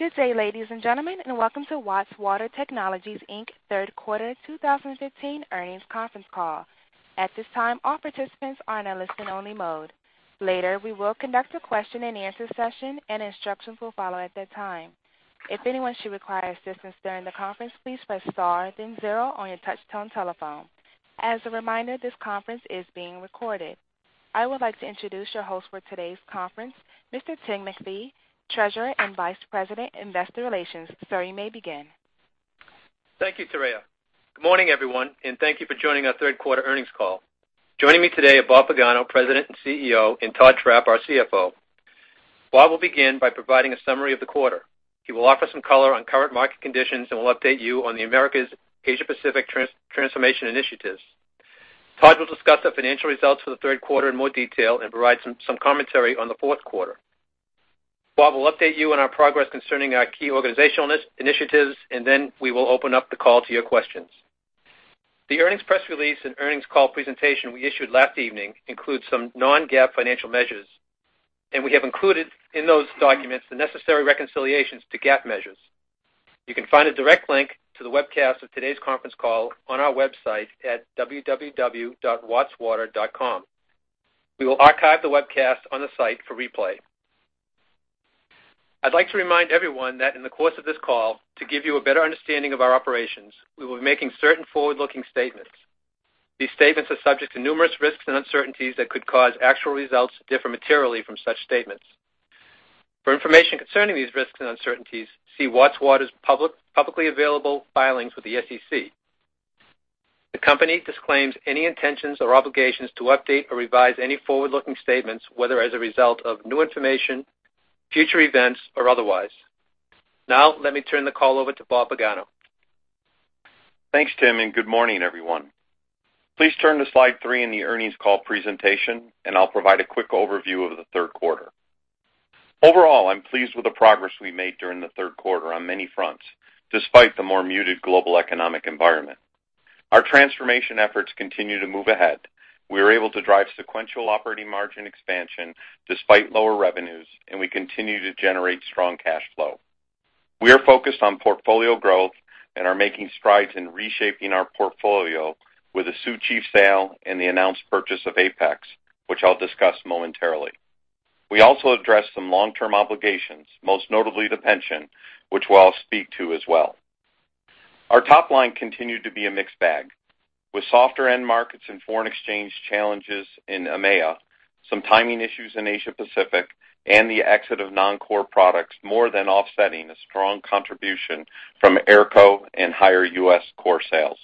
Good day, ladies and gentlemen, and welcome to Watts Water Technologies, Inc. third quarter 2015 earnings conference call. At this time, all participants are in a listen-only mode. Later, we will conduct a question-and-answer session, and instructions will follow at that time. If anyone should require assistance during the conference, please press star then zero on your touchtone telephone. As a reminder, this conference is being recorded. I would like to introduce your host for today's conference, Mr. Tim McAleer, Treasurer and Vice President, Investor Relations. Sir, you may begin. Thank you, Teresa. Good morning, everyone, and thank you for joining our third quarter earnings call. Joining me today are Bob Pagano, President and CEO, and Todd Trapp, our CFO. Bob will begin by providing a summary of the quarter. He will offer some color on current market conditions and will update you on the Americas, Asia Pacific transformation initiatives. Todd will discuss the financial results for the third quarter in more detail and provide some commentary on the fourth quarter. Bob will update you on our progress concerning our key organizational initiatives, and then we will open up the call to your questions. The earnings press release and earnings call presentation we issued last evening includes some non-GAAP financial measures, and we have included in those documents the necessary reconciliations to GAAP measures. You can find a direct link to the webcast of today's conference call on our website at www.wattswater.com. We will archive the webcast on the site for replay. I'd like to remind everyone that in the course of this call, to give you a better understanding of our operations, we will be making certain forward-looking statements. These statements are subject to numerous risks and uncertainties that could cause actual results to differ materially from such statements. For information concerning these risks and uncertainties, see Watts Water's publicly available filings with the SEC. The company disclaims any intentions or obligations to update or revise any forward-looking statements, whether as a result of new information, future events, or otherwise. Now, let me turn the call over to Bob Pagano. Thanks, Tim, and good morning, everyone. Please turn to slide 3 in the earnings call presentation, and I'll provide a quick overview of the third quarter. Overall, I'm pleased with the progress we made during the third quarter on many fronts, despite the more muted global economic environment. Our transformation efforts continue to move ahead. We were able to drive sequential operating margin expansion despite lower revenues, and we continue to generate strong cash flow. We are focused on portfolio growth and are making strides in reshaping our portfolio with a Sioux Chief sale and the announced purchase of Apex, which I'll discuss momentarily. We also addressed some long-term obligations, most notably the pension, which I'll speak to as well. Our top line continued to be a mixed bag, with softer end markets and foreign exchange challenges in EMEA, some timing issues in Asia Pacific, and the exit of non-core products more than offsetting a strong contribution from AERCO and higher U.S. core sales.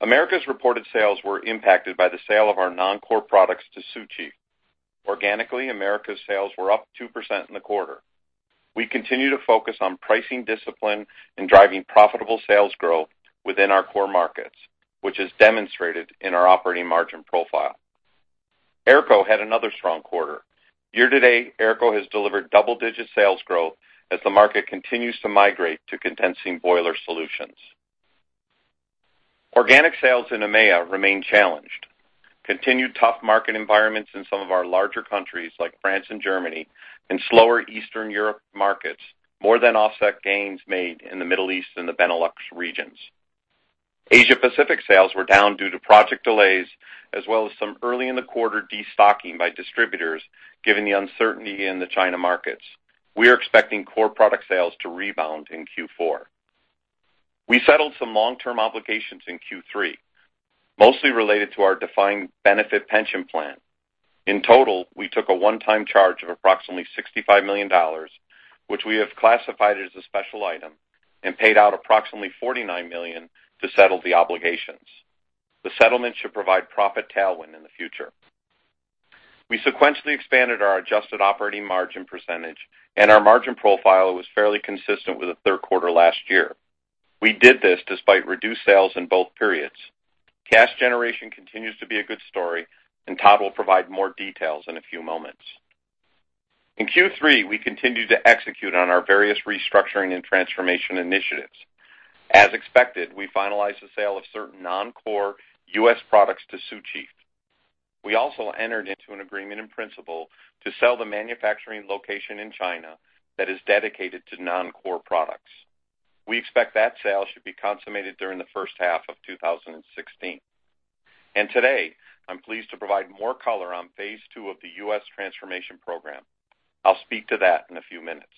Americas reported sales were impacted by the sale of our non-core products to Sioux Chief. Organically, Americas sales were up 2% in the quarter. We continue to focus on pricing discipline and driving profitable sales growth within our core markets, which is demonstrated in our operating margin profile. AERCO had another strong quarter. Year to date, AERCO has delivered double-digit sales growth as the market continues to migrate to condensing boiler solutions. Organic sales in EMEA remain challenged. Continued tough market environments in some of our larger countries, like France and Germany, and slower Eastern Europe markets more than offset gains made in the Middle East and the Benelux regions. Asia Pacific sales were down due to project delays as well as some early-in-the-quarter destocking by distributors, given the uncertainty in the China markets. We are expecting core product sales to rebound in Q4. We settled some long-term obligations in Q3, mostly related to our defined benefit pension plan. In total, we took a one-time charge of approximately $65 million, which we have classified as a special item, and paid out approximately $49 million to settle the obligations. The settlement should provide profit tailwind in the future. We sequentially expanded our adjusted operating margin percentage, and our margin profile was fairly consistent with the third quarter last year. We did this despite reduced sales in both periods. Cash generation continues to be a good story, and Todd will provide more details in a few moments. In Q3, we continued to execute on our various restructuring and transformation initiatives. As expected, we finalized the sale of certain non-core U.S. products to Sioux Chief. We also entered into an agreement in principle to sell the manufacturing location in China that is dedicated to non-core products. We expect that sale should be consummated during the first half of 2016. Today, I'm pleased to provide more color on phase two of the U.S. transformation program. I'll speak to that in a few minutes.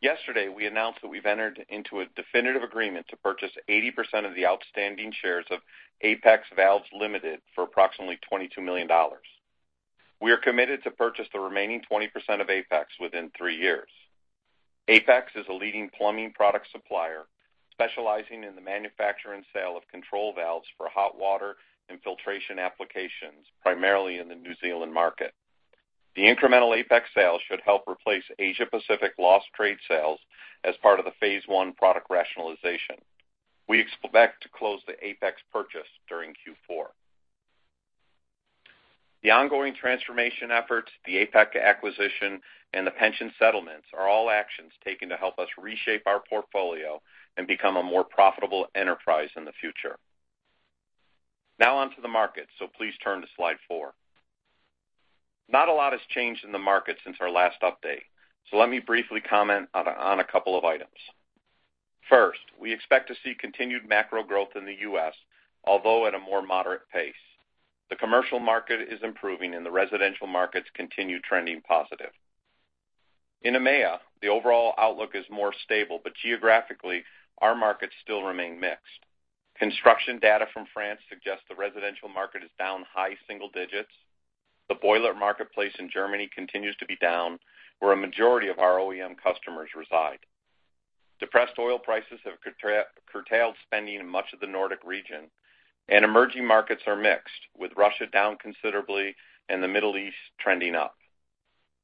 Yesterday, we announced that we've entered into a definitive agreement to purchase 80% of the outstanding shares of Apex Valves Limited for approximately $22 million. We are committed to purchase the remaining 20% of Apex within three years. Apex is a leading plumbing product supplier, specializing in the manufacture and sale of control valves for hot water and filtration applications, primarily in the New Zealand market. The incremental Apex sale should help replace Asia Pacific lost trade sales as part of the phase one product rationalization. We expect to close the Apex purchase during Q4. The ongoing transformation efforts, the Apex acquisition, and the pension settlements are all actions taken to help us reshape our portfolio and become a more profitable enterprise in the future. Now on to the market, so please turn to slide four. Not a lot has changed in the market since our last update, so let me briefly comment on a couple of items. First, we expect to see continued macro growth in the U.S., although at a more moderate pace. The commercial market is improving and the residential markets continue trending positive. In EMEA, the overall outlook is more stable, but geographically, our markets still remain mixed. Construction data from France suggests the residential market is down high single digits. The boiler marketplace in Germany continues to be down, where a majority of our OEM customers reside. Depressed oil prices have curtailed spending in much of the Nordic region, and emerging markets are mixed, with Russia down considerably and the Middle East trending up.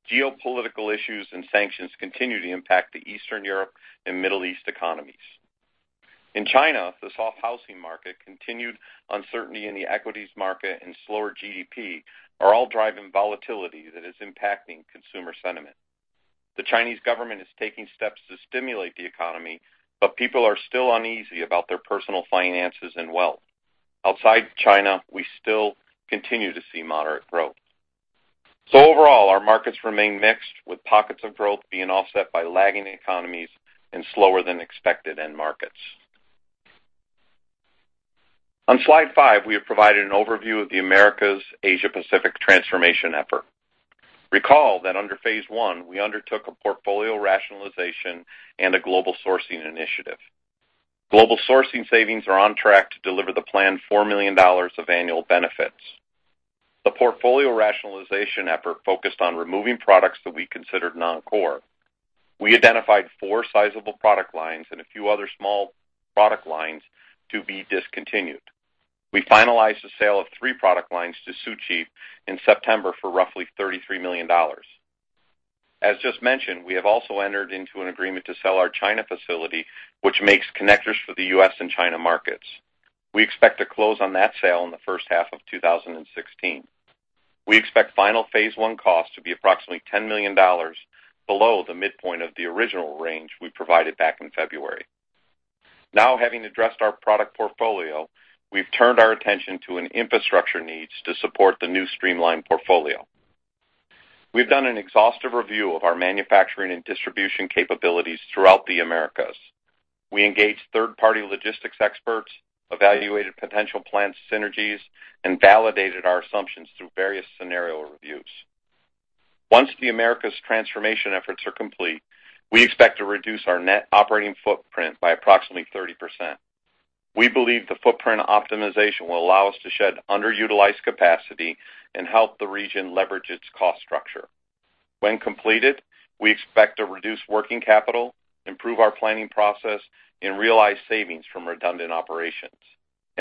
Geopolitical issues and sanctions continue to impact the Eastern Europe and Middle East economies. In China, the soft housing market, continued uncertainty in the equities market, and slower GDP are all driving volatility that is impacting consumer sentiment. The Chinese government is taking steps to stimulate the economy, but people are still uneasy about their personal finances and wealth. Outside China, we still continue to see moderate growth. So overall, our markets remain mixed, with pockets of growth being offset by lagging economies and slower than expected end markets. On slide 5, we have provided an overview of the Americas, Asia Pacific transformation effort. Recall that under phase one, we undertook a portfolio rationalization and a global sourcing initiative. Global sourcing savings are on track to deliver the planned $4 million of annual benefits. The portfolio rationalization effort focused on removing products that we considered non-core. We identified four sizable product lines and a few other small product lines to be discontinued. We finalized the sale of three product lines to Sioux Chief in September for roughly $33 million. As just mentioned, we have also entered into an agreement to sell our China facility, which makes connectors for the U.S. and China markets. We expect to close on that sale in the first half of 2016. We expect final phase one costs to be approximately $10 million, below the midpoint of the original range we provided back in February. Now, having addressed our product portfolio, we've turned our attention to an infrastructure needs to support the new streamlined portfolio. We've done an exhaustive review of our manufacturing and distribution capabilities throughout the Americas. We engaged third-party logistics experts, evaluated potential plant synergies, and validated our assumptions through various scenario reviews. Once the Americas transformation efforts are complete, we expect to reduce our net operating footprint by approximately 30%. We believe the footprint optimization will allow us to shed underutilized capacity and help the region leverage its cost structure. When completed, we expect to reduce working capital, improve our planning process, and realize savings from redundant operations.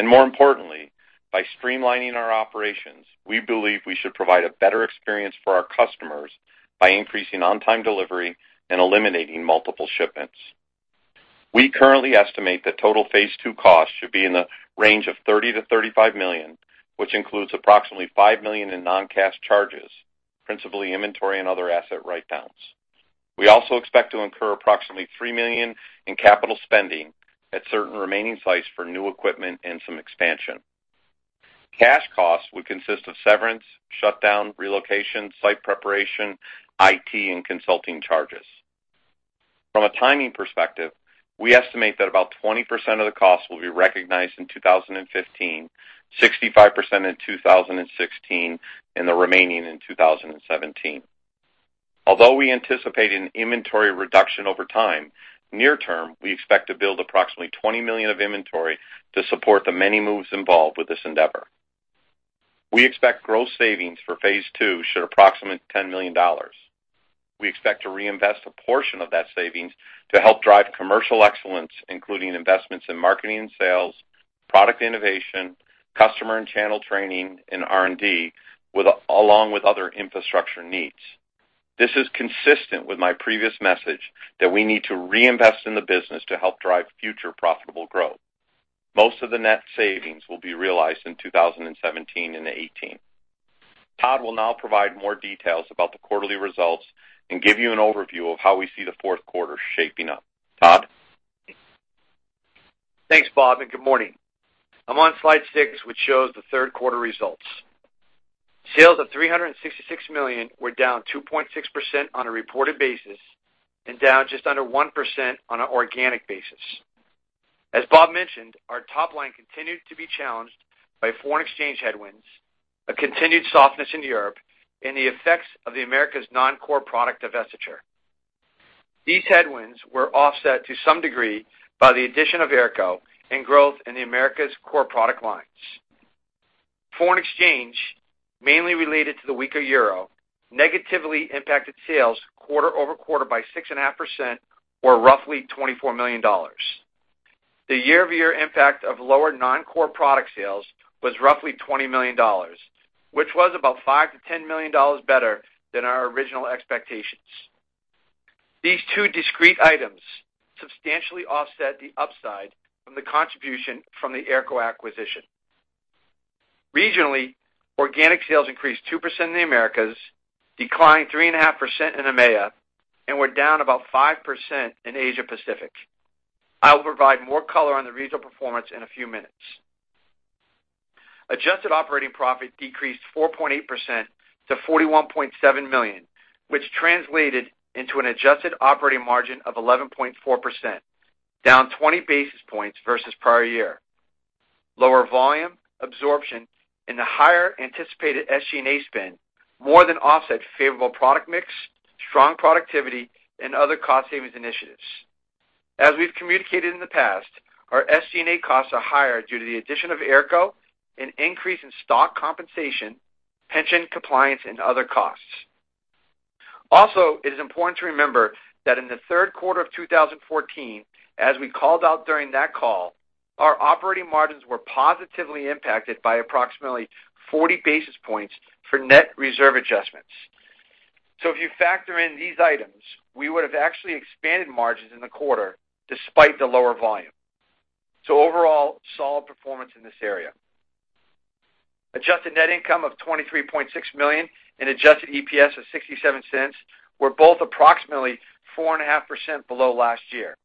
More importantly, by streamlining our operations, we believe we should provide a better experience for our customers by increasing on-time delivery and eliminating multiple shipments. We currently estimate that total phase two costs should be in the range of $30 million-$35 million, which includes approximately $5 million in non-cash charges, principally inventory and other asset write-downs. We also expect to incur approximately $3 million in capital spending at certain remaining sites for new equipment and some expansion. Cash costs would consist of severance, shutdown, relocation, site preparation, IT, and consulting charges. From a timing perspective, we estimate that about 20% of the costs will be recognized in 2015, 65% in 2016, and the remaining in 2017. Although we anticipate an inventory reduction over time, near term, we expect to build approximately $20 million of inventory to support the many moves involved with this endeavor. We expect gross savings for phase two should approximate $10 million. We expect to reinvest a portion of that savings to help drive commercial excellence, including investments in marketing and sales, product innovation, customer and channel training, and R&D, along with other infrastructure needs. This is consistent with my previous message that we need to reinvest in the business to help drive future profitable growth. Most of the net savings will be realized in 2017 and 2018. Todd will now provide more details about the quarterly results and give you an overview of how we see the fourth quarter shaping up. Todd? Thanks, Bob, and good morning. I'm on slide 6, which shows the third quarter results. Sales of $366 million were down 2.6% on a reported basis and down just under 1% on an organic basis. As Bob mentioned, our top line continued to be challenged by foreign exchange headwinds, a continued softness in Europe, and the effects of the Americas' non-core product divestiture. These headwinds were offset to some degree by the addition of AERCO and growth in the Americas' core product lines. Foreign exchange, mainly related to the weaker euro, negatively impacted sales quarter-over-quarter by 6.5% or roughly $24 million. The year-over-year impact of lower non-core product sales was roughly $20 million, which was about $5 million-$10 million better than our original expectations. These two discrete items substantially offset the upside from the contribution from the AERCO acquisition. Regionally, organic sales increased 2% in the Americas, declined 3.5% in EMEA, and we're down about 5% in Asia Pacific. I will provide more color on the regional performance in a few minutes. Adjusted operating profit decreased 4.8% to $41.7 million, which translated into an adjusted operating margin of 11.4%, down 20 basis points versus prior year. Lower volume absorption and a higher anticipated SG&A spend more than offset favorable product mix, strong productivity, and other cost savings initiatives. As we've communicated in the past, our SG&A costs are higher due to the addition of AERCO, an increase in stock compensation, pension compliance, and other costs. Also, it is important to remember that in the third quarter of 2014, as we called out during that call, our operating margins were positively impacted by approximately 40 basis points for net reserve adjustments. So if you factor in these items, we would've actually expanded margins in the quarter despite the lower volume. So overall, solid performance in this area. Adjusted net income of $23.6 million and adjusted EPS of $0.67 were both approximately 4.5% below last year.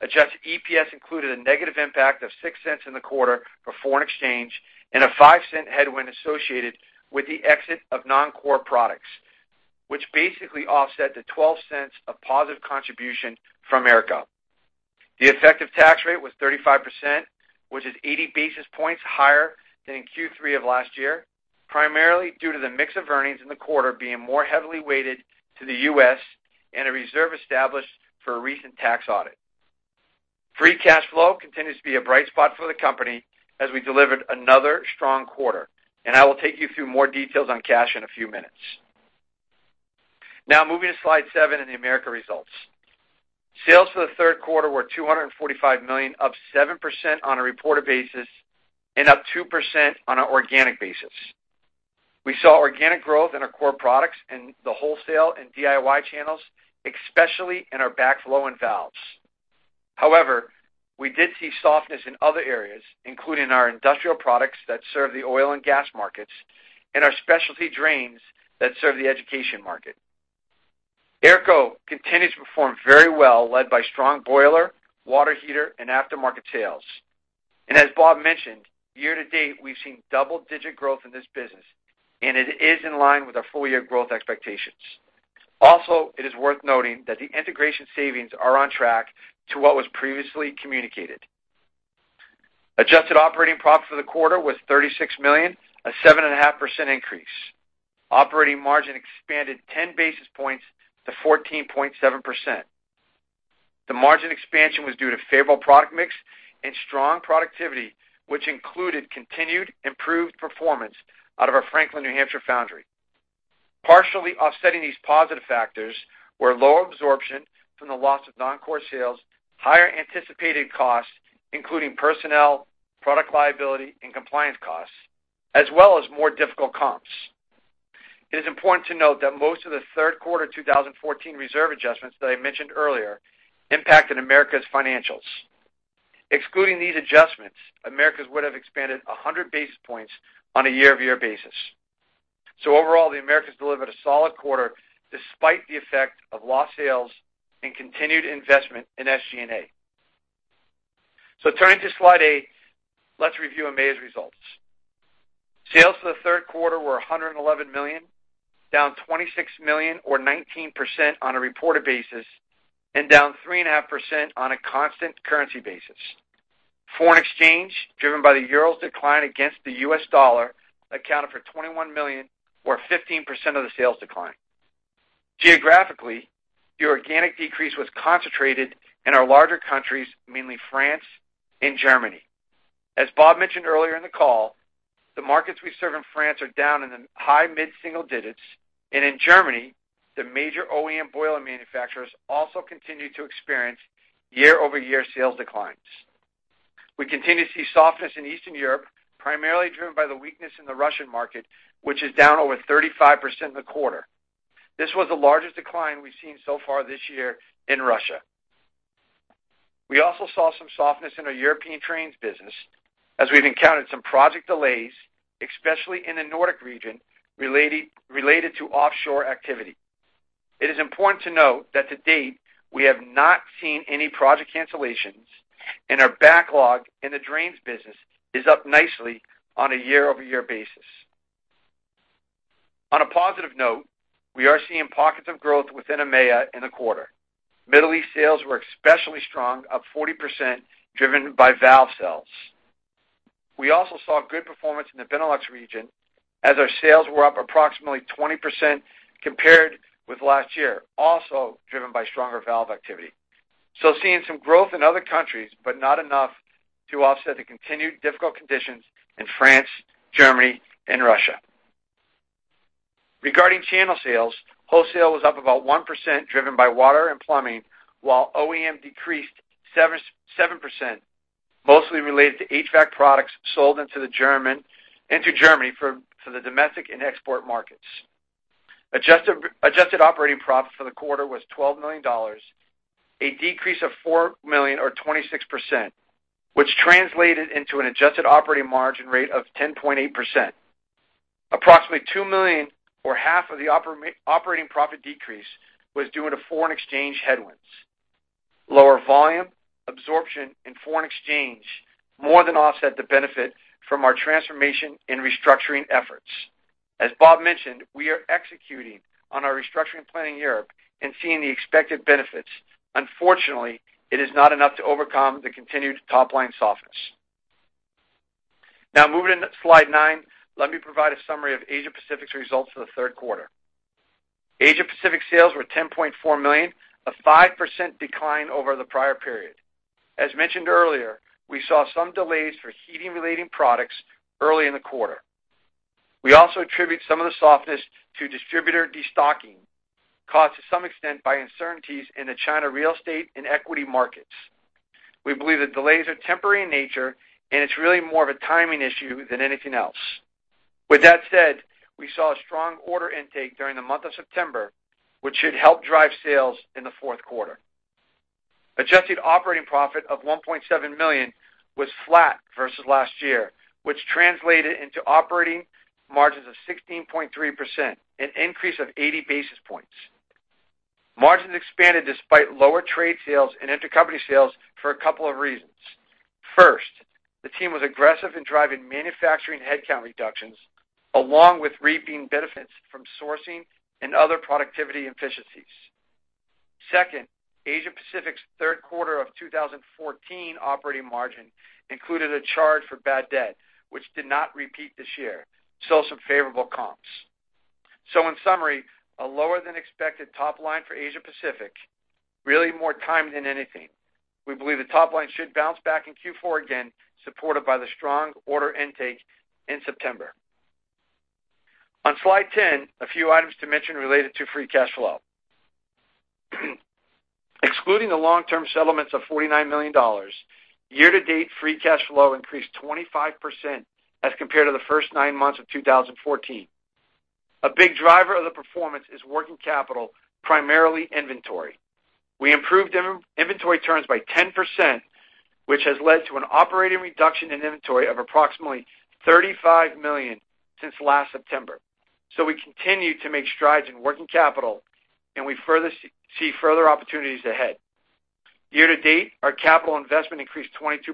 Adjusted EPS included a negative impact of $0.06 in the quarter for foreign exchange and a $0.05 headwind associated with the exit of non-core products, which basically offset the $0.12 of positive contribution from AERCO. The effective tax rate was 35%, which is 80 basis points higher than in Q3 of last year, primarily due to the mix of earnings in the quarter being more heavily weighted to the U.S. and a reserve established for a recent tax audit. Free cash flow continues to be a bright spot for the company as we delivered another strong quarter, and I will take you through more details on cash in a few minutes. Now, moving to Slide 7 in the Americas results. Sales for the third quarter were $245 million, up 7% on a reported basis and up 2% on an organic basis. We saw organic growth in our core products in the wholesale and DIY channels, especially in our backflow and valves. However, we did see softness in other areas, including our industrial products that serve the oil and gas markets and our specialty drains that serve the education market. AERCO continues to perform very well, led by strong boiler, water heater, and aftermarket sales. And as Bob mentioned, year to date, we've seen double-digit growth in this business, and it is in line with our full-year growth expectations. Also, it is worth noting that the integration savings are on track to what was previously communicated. Adjusted operating profit for the quarter was $36 million, a 7.5% increase. Operating margin expanded ten basis points to 14.7%. The margin expansion was due to favorable product mix and strong productivity, which included continued improved performance out of our Franklin, New Hampshire foundry. Partially offsetting these positive factors were lower absorption from the loss of non-core sales, higher anticipated costs, including personnel, product liability, and compliance costs, as well as more difficult comps. It is important to note that most of the third quarter 2014 reserve adjustments that I mentioned earlier impacted Americas' financials. Excluding these adjustments, Americas would have expanded 100 basis points on a year-over-year basis. So overall, the Americas delivered a solid quarter, despite the effect of lost sales and continued investment in SG&A. So turning to Slide 8, let's review EMEA's results. Sales for the third quarter were $111 million, down $26 million or 19% on a reported basis, and down 3.5% on a constant currency basis. Foreign exchange, driven by the euro's decline against the US dollar, accounted for $21 million, or 15% of the sales decline. Geographically, the organic decrease was concentrated in our larger countries, mainly France and Germany. As Bob mentioned earlier in the call, the markets we serve in France are down in the high mid-single digits, and in Germany, the major OEM boiler manufacturers also continue to experience year-over-year sales declines. We continue to see softness in Eastern Europe, primarily driven by the weakness in the Russian market, which is down over 35% in the quarter. This was the largest decline we've seen so far this year in Russia. We also saw some softness in our European drains business, as we've encountered some project delays, especially in the Nordic region, related to offshore activity. It is important to note that to date, we have not seen any project cancellations, and our backlog in the drains business is up nicely on a year-over-year basis. On a positive note, we are seeing pockets of growth within EMEA in the quarter. Middle East sales were especially strong, up 40%, driven by valve sales. We also saw good performance in the Benelux region, as our sales were up approximately 20% compared with last year, also driven by stronger valve activity. So seeing some growth in other countries, but not enough to offset the continued difficult conditions in France, Germany, and Russia. Regarding channel sales, wholesale was up about 1%, driven by water and plumbing, while OEM decreased 7%, mostly related to HVAC products sold into Germany for the domestic and export markets. Adjusted operating profit for the quarter was $12 million, a decrease of $4 million or 26%, which translated into an adjusted operating margin rate of 10.8%.... approximately $2 million, or half of the operating profit decrease, was due to foreign exchange headwinds. Lower volume, absorption, and foreign exchange more than offset the benefit from our transformation and restructuring efforts. As Bob mentioned, we are executing on our restructuring plan in Europe and seeing the expected benefits. Unfortunately, it is not enough to overcome the continued top line softness. Now, moving to slide nine, let me provide a summary of Asia Pacific's results for the third quarter. Asia Pacific sales were $10.4 million, a 5% decline over the prior period. As mentioned earlier, we saw some delays for heating-related products early in the quarter. We also attribute some of the softness to distributor destocking, caused to some extent by uncertainties in the China real estate and equity markets. We believe the delays are temporary in nature, and it's really more of a timing issue than anything else. With that said, we saw a strong order intake during the month of September, which should help drive sales in the fourth quarter. Adjusted operating profit of $1.7 million was flat versus last year, which translated into operating margins of 16.3%, an increase of 80 basis points. Margins expanded despite lower trade sales and intercompany sales for a couple of reasons. First, the team was aggressive in driving manufacturing headcount reductions, along with reaping benefits from sourcing and other productivity efficiencies. Second, Asia Pacific's third quarter of 2014 operating margin included a charge for bad debt, which did not repeat this year, so some favorable comps. So in summary, a lower than expected top line for Asia Pacific, really more time than anything. We believe the top line should bounce back in Q4 again, supported by the strong order intake in September. On slide 10, a few items to mention related to free cash flow. Excluding the long-term settlements of $49 million, year-to-date free cash flow increased 25% as compared to the first nine months of 2014. A big driver of the performance is working capital, primarily inventory. We improved inventory turns by 10%, which has led to an operating reduction in inventory of approximately $35 million since last September. So we continue to make strides in working capital, and we further see further opportunities ahead. Year to date, our capital investment increased 22%,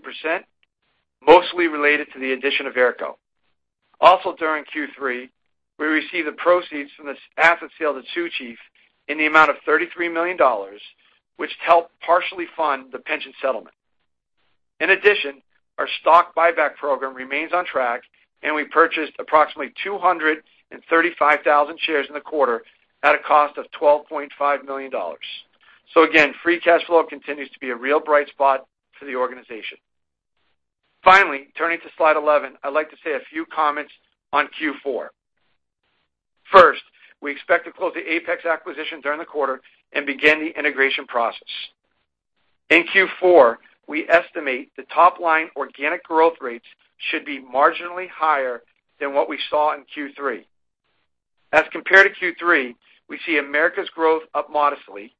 mostly related to the addition of Aerco. Also, during Q3, we received the proceeds from the asset sale to Sioux Chief in the amount of $33 million, which helped partially fund the pension settlement. In addition, our stock buyback program remains on track, and we purchased approximately 235,000 shares in the quarter at a cost of $12.5 million. So again, free cash flow continues to be a real bright spot for the organization. Finally, turning to slide 11, I'd like to say a few comments on Q4. First, we expect to close the Apex acquisition during the quarter and begin the integration process. In Q4, we estimate the top-line organic growth rates should be marginally higher than what we saw in Q3. As compared to Q3, we see Americas growth up modestly,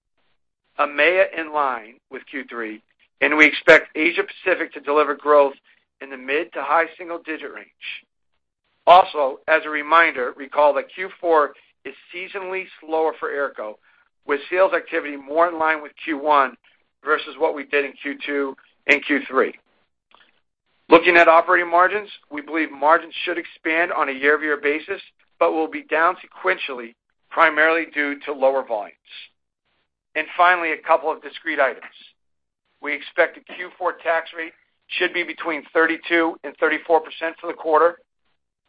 EMEA in line with Q3, and we expect Asia Pacific to deliver growth in the mid- to high-single-digit range. Also, as a reminder, recall that Q4 is seasonally slower for AERCO, with sales activity more in line with Q1 versus what we did in Q2 and Q3. Looking at operating margins, we believe margins should expand on a year-over-year basis, but will be down sequentially, primarily due to lower volumes. Finally, a couple of discrete items. We expect the Q4 tax rate should be between 32% and 34% for the quarter,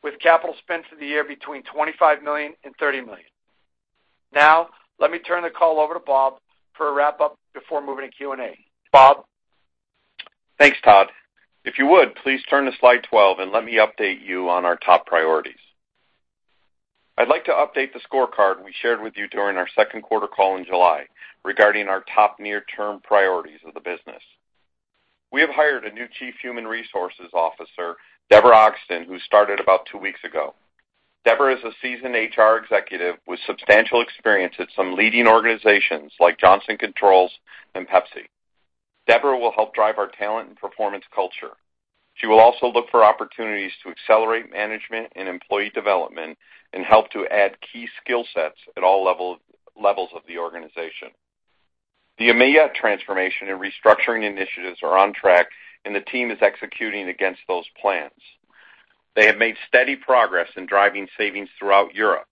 with capital spend for the year between $25 million and $30 million. Now, let me turn the call over to Bob for a wrap-up before moving to Q&A. Bob? Thanks, Todd. If you would, please turn to slide 12 and let me update you on our top priorities. I'd like to update the scorecard we shared with you during our second quarter call in July regarding our top near-term priorities of the business. We have hired a new Chief Human Resources Officer, Deborah Oxton, who started about 2 weeks ago. Deborah is a seasoned HR executive with substantial experience at some leading organizations like Johnson Controls and Pepsi. Deborah will help drive our talent and performance culture. She will also look for opportunities to accelerate management and employee development and help to add key skill sets at all levels of the organization. The EMEA transformation and restructuring initiatives are on track, and the team is executing against those plans. They have made steady progress in driving savings throughout Europe,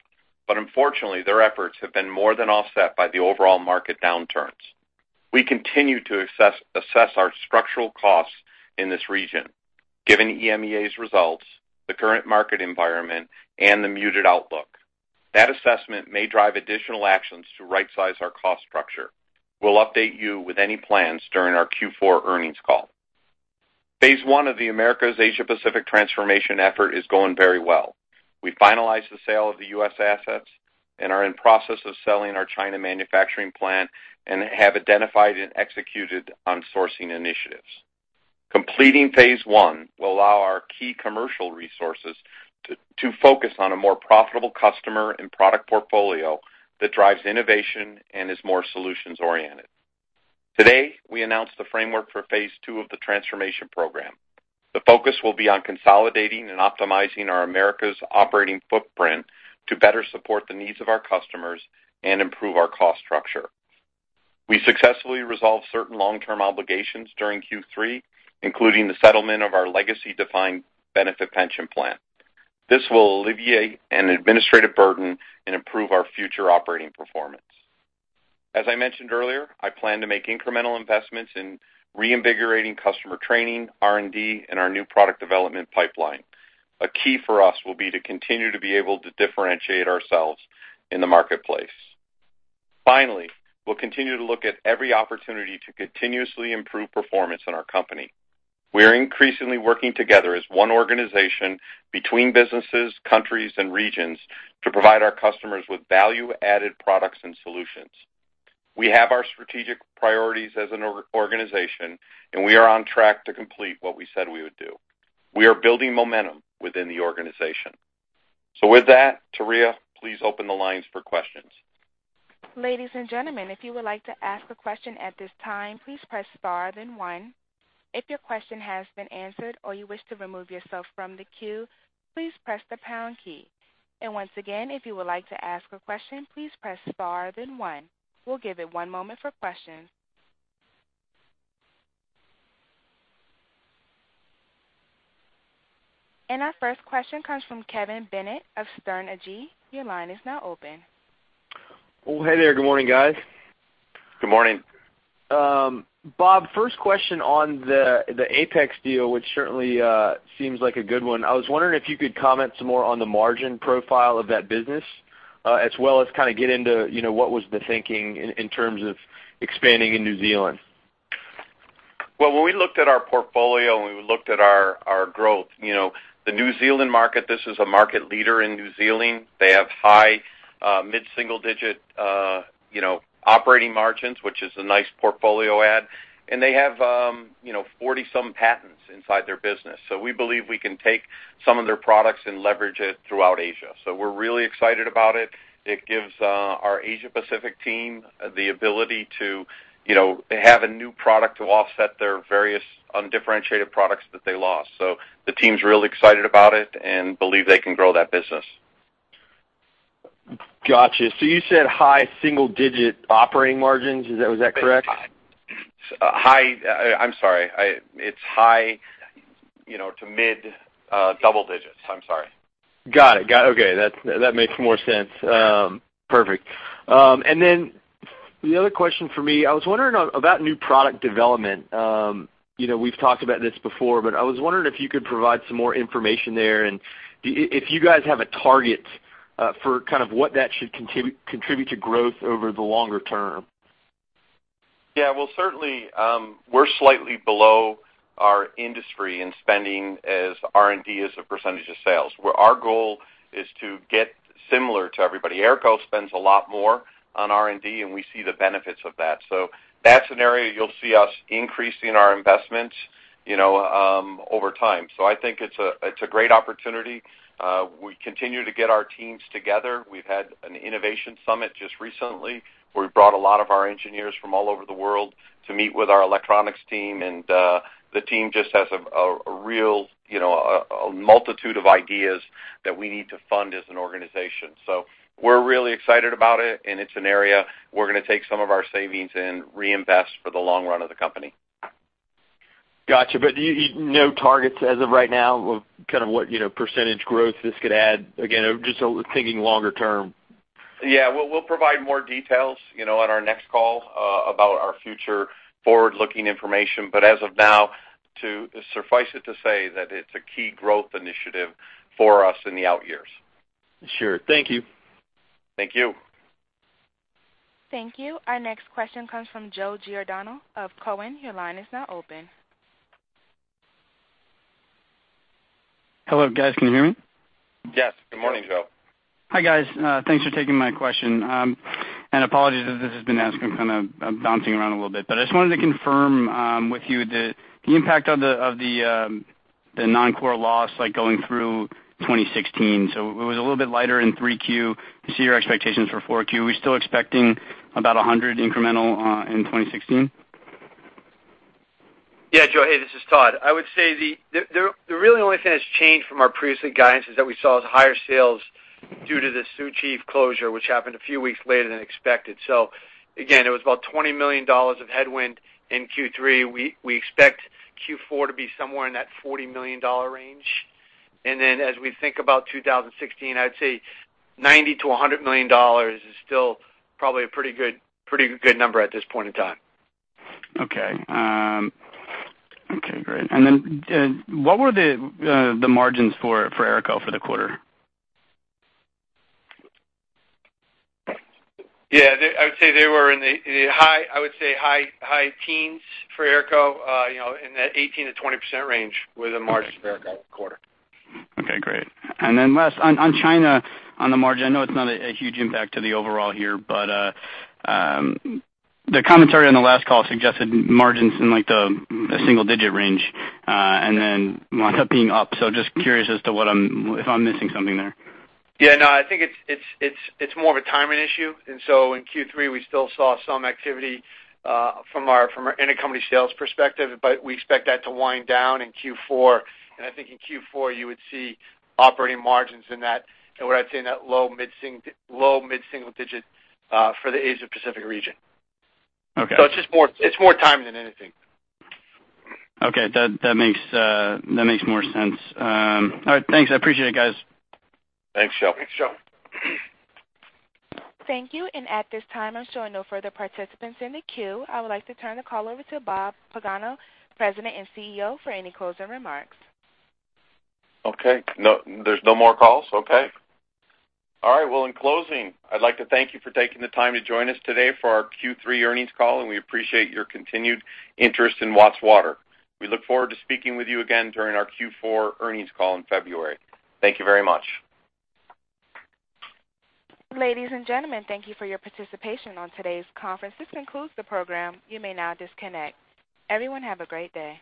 but unfortunately, their efforts have been more than offset by the overall market downturns. We continue to assess our structural costs in this region, given EMEA's results, the current market environment, and the muted outlook. That assessment may drive additional actions to rightsize our cost structure. We'll update you with any plans during our Q4 earnings call. Phase one of the Americas Asia Pacific transformation effort is going very well. We finalized the sale of the U.S. assets and are in process of selling our China manufacturing plant and have identified and executed on sourcing initiatives. Completing phase one will allow our key commercial resources to focus on a more profitable customer and product portfolio that drives innovation and is more solutions-oriented. Today, we announced the framework for phase two of the transformation program. The focus will be on consolidating and optimizing our Americas operating footprint to better support the needs of our customers and improve our cost structure. We successfully resolved certain long-term obligations during Q3, including the settlement of our legacy defined benefit pension plan. This will alleviate an administrative burden and improve our future operating performance. As I mentioned earlier, I plan to make incremental investments in reinvigorating customer training, R&D, and our new product development pipeline. A key for us will be to continue to be able to differentiate ourselves in the marketplace. Finally, we'll continue to look at every opportunity to continuously improve performance in our company. We are increasingly working together as one organization between businesses, countries, and regions to provide our customers with value-added products and solutions. We have our strategic priorities as an organization, and we are on track to complete what we said we would do. We are building momentum within the organization. So with that, Taria, please open the lines for questions. Ladies and gentlemen, if you would like to ask a question at this time, please press star, then one. If your question has been answered or you wish to remove yourself from the queue, please press the pound key. And once again, if you would like to ask a question, please press star, then one. We'll give it one moment for questions. And our first question comes from Kevin Bennett of Stern Agee. Your line is now open. Well, hey there. Good morning, guys. Good morning. Bob, first question on the Apex deal, which certainly seems like a good one. I was wondering if you could comment some more on the margin profile of that business, as well as kind of get into, you know, what was the thinking in terms of expanding in New Zealand? Well, when we looked at our portfolio and we looked at our, our growth, you know, the New Zealand market, this is a market leader in New Zealand. They have high, mid-single digit, you know, operating margins, which is a nice portfolio add, and they have, you know, 40-some patents inside their business. So we believe we can take some of their products and leverage it throughout Asia. So we're really excited about it. It gives, our Asia Pacific team the ability to, you know, have a new product to offset their various undifferentiated products that they lost. So the team's real excited about it and believe they can grow that business. Gotcha. So you said high single-digit operating margins. Is that - was that correct? Hi, I'm sorry. It's high, you know, to mid double digits. I'm sorry. Got it. Got it. Okay. That makes more sense. Perfect. And then the other question for me, I was wondering about new product development. You know, we've talked about this before, but I was wondering if you could provide some more information there and if you guys have a target for kind of what that should contribute to growth over the longer term? Yeah. Well, certainly, we're slightly below our industry in spending as R&D as a percentage of sales, where our goal is to get similar to everybody. AERCO spends a lot more on R&D, and we see the benefits of that. So that's an area you'll see us increasing our investments, you know, over time. So I think it's a, it's a great opportunity. We continue to get our teams together. We've had an innovation summit just recently, where we brought a lot of our engineers from all over the world to meet with our electronics team, and the team just has a, a, a real, you know, a, a multitude of ideas that we need to fund as an organization. So we're really excited about it, and it's an area we're gonna take some of our savings and reinvest for the long run of the company. Gotcha, but you... No targets as of right now of kind of what, you know, percentage growth this could add? Again, just thinking longer term. Yeah, we'll provide more details, you know, on our next call about our future forward-looking information. But as of now, suffice it to say that it's a key growth initiative for us in the out years. Sure. Thank you. Thank you. Thank you. Our next question comes from Joe Giordano of Cowen. Your line is now open. Hello, guys. Can you hear me? Yes. Good morning, Joe. Hi, guys. Thanks for taking my question. And apologies if this has been asked. I'm kind of, I'm bouncing around a little bit, but I just wanted to confirm with you the impact of the non-core loss, like, going through 2016. So it was a little bit lighter in 3Q to see your expectations for 4Q. Are we still expecting about $100 incremental in 2016? Yeah, Joe. Hey, this is Todd. I would say the really only thing that's changed from our previous guidance is that we saw higher sales due to the Sioux Chief closure, which happened a few weeks later than expected. So again, it was about $20 million of headwind in Q3. We expect Q4 to be somewhere in that $40 million range. And then, as we think about 2016, I'd say $90-$100 million is still probably a pretty good, pretty good number at this point in time. Okay. Okay, great. And then, what were the margins for AERCO for the quarter? Yeah, I would say they were in the high teens for AERCO, you know, in that 18%-20% range were the margins- Okay. -for AERCO quarter. Okay, great. And then last, on China, on the margin, I know it's not a huge impact to the overall here, but the commentary on the last call suggested margins in, like, a single digit range, and then wound up being up. So just curious as to what I'm... If I'm missing something there. Yeah, no, I think it's more of a timing issue. So in Q3, we still saw some activity from our intercompany sales perspective, but we expect that to wind down in Q4. And I think in Q4, you would see operating margins in that, what I'd say, in that low, mid single digit for the Asia Pacific region. Okay. It's just more, it's more time than anything. Okay, that, that makes more sense. All right, thanks. I appreciate it, guys. Thanks, Joe. Thanks, Joe. Thank you. At this time, I'm showing no further participants in the queue. I would like to turn the call over to Bob Pagano, President and CEO, for any closing remarks. Okay. No, there's no more calls? Okay. All right. Well, in closing, I'd like to thank you for taking the time to join us today for our Q3 earnings call, and we appreciate your continued interest in Watts Water. We look forward to speaking with you again during our Q4 earnings call in February. Thank you very much. Ladies and gentlemen, thank you for your participation on today's conference. This concludes the program. You may now disconnect. Everyone, have a great day.